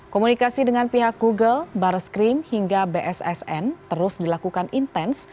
komunikasi dengan pihak google barreskrim hingga bssn terus dilakukan intens